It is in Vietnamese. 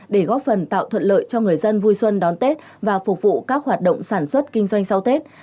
để góp phần tạo thuận lợi cho người dân vui xuân đón tết và phục vụ các hoạt động sản xuất kinh doanh sau tết